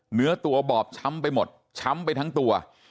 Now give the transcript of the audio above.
เนื้อตัวบอบช้ำไปหมดช้ำไปทั้งตัว